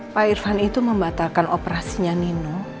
pak irfan itu membatalkan operasinya nino